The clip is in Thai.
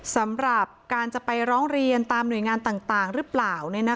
สำหรับการจะไปร้องเรียนตามหน่วยงานต่างหรือเปล่า